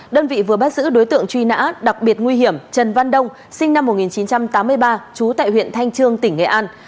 đơn vị vừa bắt giữ đối tượng truy nã đặc biệt nguy hiểm trần văn đông sinh năm một nghìn chín trăm tám mươi ba trú tại huyện thanh trương tỉnh nghệ an